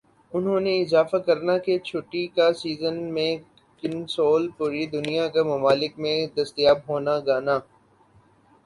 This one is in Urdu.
انہوں نے اضافہ کرنا کہ چھٹی کا سیزن میں کنسول پوری دنیا کا ممالک میں دستیاب ہونا گانا